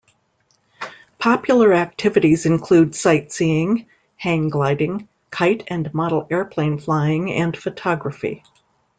Popular activities include sight-seeing, hang gliding, kite and model airplane flying, and photography.